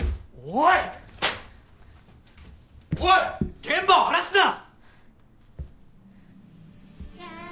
おい現場を荒らすな！